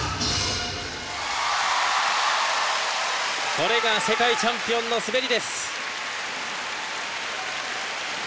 これが世界チャンピオンの滑りです。